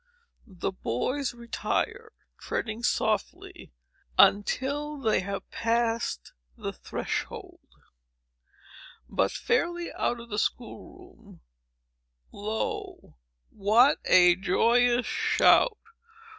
The boys retire, treading softly until they have passed the threshold; but, fairly out of the school room, lo, what a joyous shout!